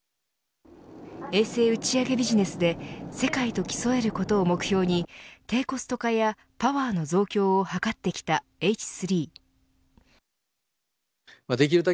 衛星打ち上げビジネスで世界と競えることを目標に低コスト化やパワーの増強を図ってきたＨ３。